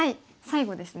最後です。